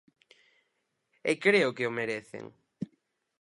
E creo que o merecen.